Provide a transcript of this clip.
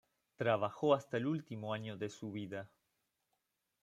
Trabajó hasta el último año de su vida.